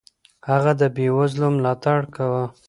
هغه د بېوزلو ملاتړ کاوه.